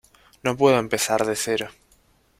no puedo empezar de cero.